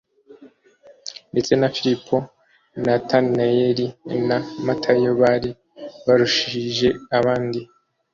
ndetse na Filipo na Natanaeli na Matayo bari barushije abandi